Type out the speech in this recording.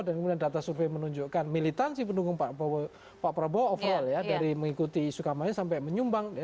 dan data survei menunjukkan militansi pendukung pak prabowo overall dari mengikuti isu kamarnya sampai menyumbang